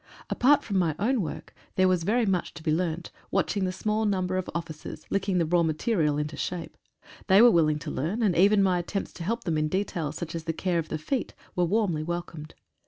Apart from my own work, there was very much to be learnt, watch ing the small number of officers, licking the raw material into shape. They were willing to learn, and even my attempts to help them in details such as the care of the feet, were warmly welcomed.